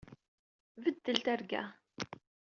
Beddel targa.